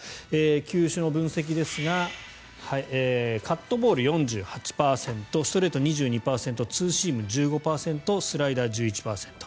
球種の分析ですがカットボール４８％ストレート２２％ツーシーム１５％スライダー１１％。